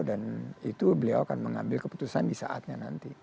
dan itu beliau akan mengambil keputusan di saatnya nanti